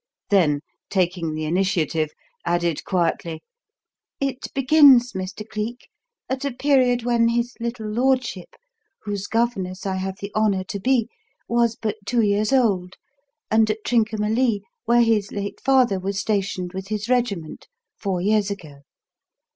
Then, taking the initiative, added quietly, "It begins, Mr. Cleek, at a period when his little lordship, whose governess I have the honour to be, was but two years old, and at Trincomalee, where his late father was stationed with his regiment four years ago.